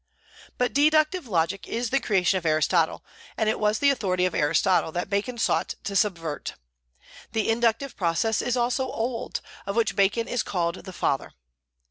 But deductive logic is the creation of Aristotle; and it was the authority of Aristotle that Bacon sought to subvert. The inductive process is also old, of which Bacon is called the father.